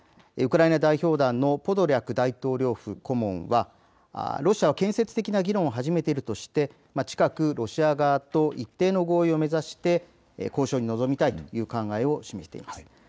ウクライナ代表団のポドリャク大統領府顧問はロシアは建設的な議論を始めているとして近く、ロシア側と一定の合意を目指して交渉に臨みたいという考えを示しています。